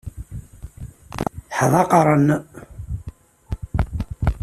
Ḥdaqren.